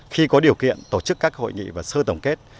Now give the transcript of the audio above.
khi có điều kiện tổ chức các hội nghị và sơ tổng kết